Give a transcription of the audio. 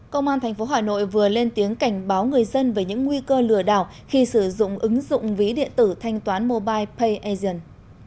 công an tp hà nội vừa lên tiếng cảnh báo người dân về những nguy cơ lừa đảo khi sử dụng ứng dụng ví điện tử thanh toán mobile payagent